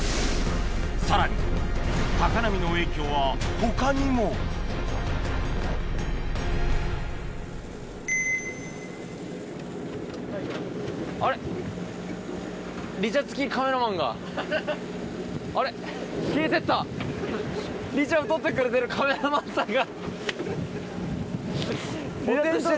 さらに高波の影響は他にもリチャを撮ってくれてるカメラマンさんが。